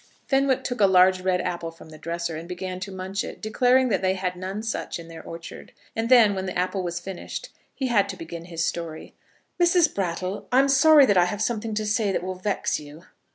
Fenwick took a large, red apple from the dresser, and began to munch, it, declaring that they had none such in their orchard. And then, when the apple was finished, he had to begin his story. "Mrs. Brattle, I'm sorry that I have something to say that will vex you."